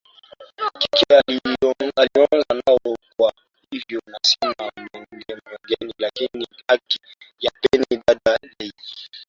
kike alioanza nao kwa hivyo nasema Mnyonge mnyongeni lakini haki yake mpeni dada Jay